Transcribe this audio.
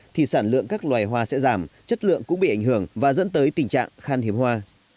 thì sản lượng các loài hoa sẽ giảm chất lượng cũng bị ảnh hưởng và dẫn tới tình trạng khan hiếm hoa